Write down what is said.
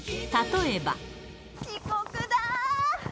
遅刻だぁ。